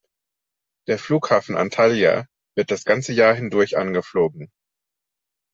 Der Flughafen Antalya wird das ganze Jahr hindurch angeflogen.